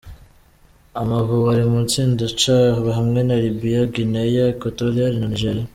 Amavubi ari mu itsinda C hamwe na Libya, Guinea Equatoriale na Nigeria.